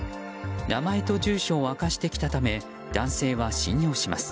名前と住所を明かしてきたため男性は信用します。